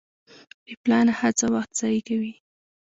بې پلانه هڅه وخت ضایع کوي.